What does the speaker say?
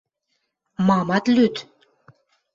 Мам ат лӱд?